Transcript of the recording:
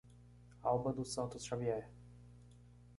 Alba dos Santos Xavier